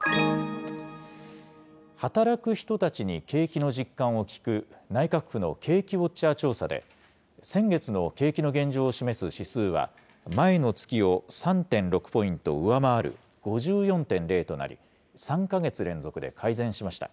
働く人たちに景気の実感を聞く、内閣府の景気ウォッチャー調査で、先月の景気の現状を示す指数は、前の月を３．６ポイント上回る５４．０となり、３か月連続で改善しました。